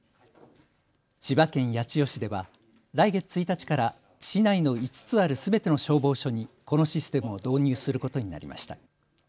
千葉県八千代市では来月１日から市内の５つあるすべての消防署にこのシステムを導入することになりました。